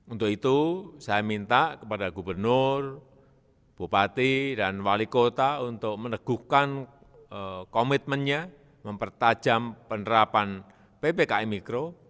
untuk itu saya minta kepada gubernur bupati dan wali kota untuk meneguhkan komitmennya mempertajam penerapan ppkm mikro